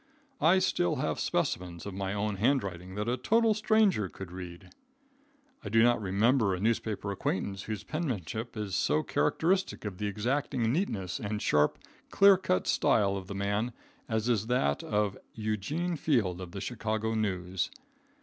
I still have specimens of my own handwriting that a total stranger could read. I do not remember a newspaper acquaintance whose penmanship is so characteristic of the exacting neatness and sharp, clear cut style of the man, as is that of Eugene Field, of the Chicago News.